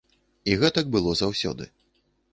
І гэтак было заўсёды.